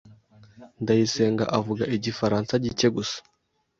Ndayisenga avuga igifaransa gike gusa.